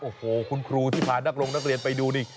โอ้โหคุณครูที่พานักลงนักเรียนไปดูนี่